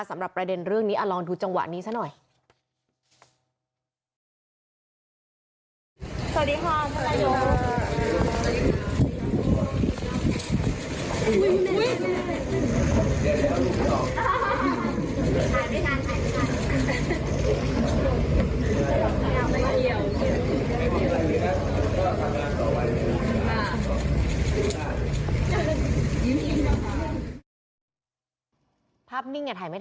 สำหรับประเด็นเรื่องนี้ลองดูจังหวะนี้ซะหน่อย